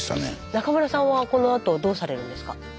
中村さんはこのあとどうされるんですか？